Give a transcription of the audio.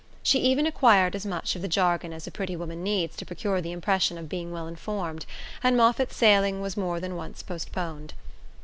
She even acquired as much of the jargon as a pretty woman needs to produce the impression of being well informed; and Moffatt's sailing was more than once postponed.